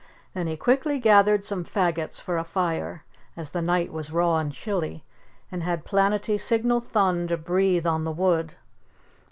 Then he quickly gathered some faggots for a fire, as the night was raw and chilly, and had Planetty signal Thun to breathe on the wood.